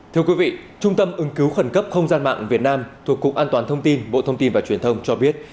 thưa quý vị trung tâm ứng cứu khẩn cấp không gian mạng việt nam thuộc cục an toàn thông tin bộ thông tin và truyền thông cho biết